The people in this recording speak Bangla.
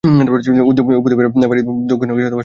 উপদ্বীপের পাহাড়ি ভূমির দক্ষিণ অংশ সাগরে নেমে গেছে।